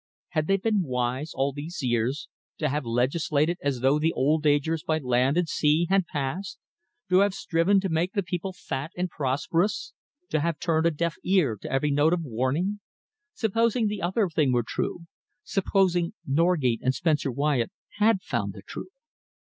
Had they been wise, all these years, to have legislated as though the old dangers by land and sea had passed? to have striven to make the people fat and prosperous, to have turned a deaf ear to every note of warning? Supposing the other thing were true! Supposing Norgate and Spencer Wyatt had found the truth!